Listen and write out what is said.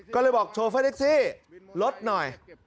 ก็เลยบอกโชเฟอร์แท็กซี่ลดหน่อย